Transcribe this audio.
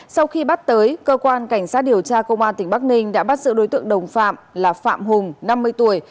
sau khi bắt tới cơ quan cảnh sát điều tra công an tỉnh bắc ninh đã bắt giữ đối tượng đồng phạm là phạm hùng năm mươi tuổi